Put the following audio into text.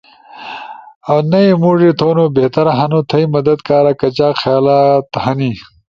اؤ نئی موڙی تھونو بہتر ہنو۔ تھئی مدد کارا کچاک خیالات ہنی۔